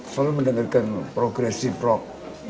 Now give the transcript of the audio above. selalu mendengarkan progresi prok